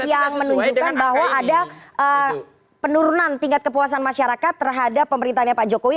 yang menunjukkan bahwa ada penurunan tingkat kepuasan masyarakat terhadap pemerintahnya pak jokowi